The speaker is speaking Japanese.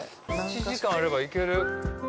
１時間あれば行ける？